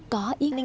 có ý nghĩa là